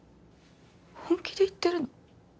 本気で言ってるの？